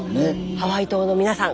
ハワイ島の皆さん